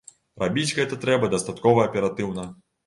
Рабіць гэта трэба дастаткова аператыўна.